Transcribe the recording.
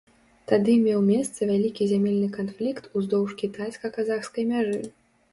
Тады меў месца вялікі зямельны канфлікт уздоўж кітайска-казахскай мяжы.